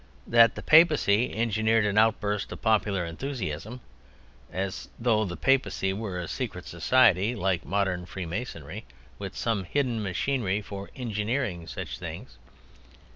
that "the Papacy engineered an outburst of popular enthusiasm." As though the Papacy were a secret society like modern Freemasonry, with some hidden machinery for "engineering" such things.